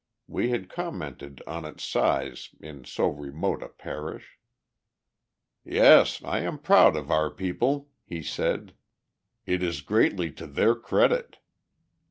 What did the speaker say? We had commented on its size in so remote a parish. "Yes, I am proud of our people," he said. "It is greatly to their credit."